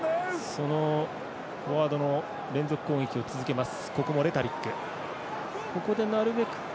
フォワードの連続攻撃を続けます。